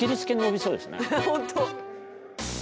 本当。